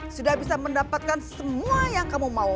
sudah bisa mendapatkan semua yang kamu mau